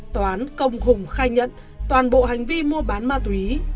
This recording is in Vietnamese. tòa án công hùng khai nhận toàn bộ hành vi mua bán ma túy